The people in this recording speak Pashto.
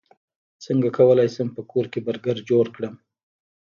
څنګه کولی شم په کور کې برګر جوړ کړم